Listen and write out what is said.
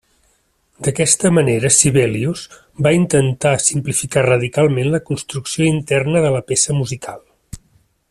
D'aquesta manera, Sibelius va intentar simplificar radicalment la construcció interna de la peça musical.